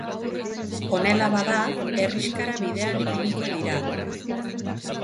Honela bada, herrixkara bidean ipiniko dira.